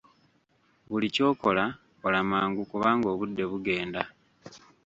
Buli ky’okola kola mangu kubanga obudde bugenda.